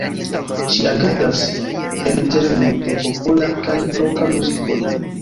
Ŝi agadas en tereno de popola kaj roka muzikoj.